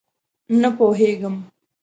_نه پوهېږم!